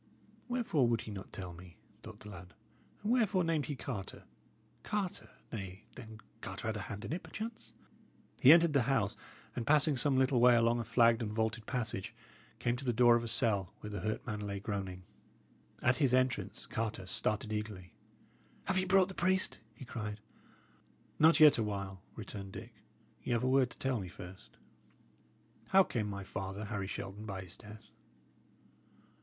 "Wherefore would he not tell me?" thought the lad. "And wherefore named he Carter? Carter nay, then Carter had a hand in it, perchance." He entered the house, and passing some little way along a flagged and vaulted passage, came to the door of the cell where the hurt man lay groaning. At his entrance Carter started eagerly. "Have ye brought the priest?" he cried. "Not yet awhile," returned Dick. "Y' 'ave a word to tell me first. How came my father, Harry Shelton, by his death?"